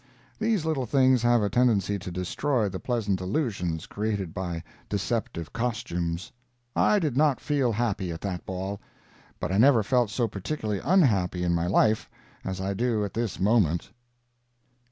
These little things have a tendency to destroy the pleasant illusions created by deceptive costumes. I did not feel happy at that ball, but I never felt so particularly unhappy in my life as I do at this moment.